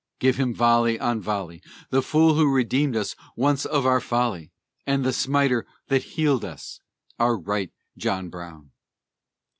Give him volley on volley, The fool who redeemed us once of our folly, And the smiter that healed us, our right John Brown!